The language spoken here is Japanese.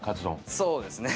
そうですね。